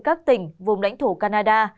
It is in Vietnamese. các tỉnh vùng lãnh thổ canada